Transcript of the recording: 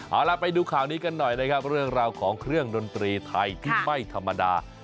เอาล่ะไปดูข่าวนี้กันหน่อยนะครับเรื่องราวของเครื่องดนตรีไทยที่ไม่ธรรมดา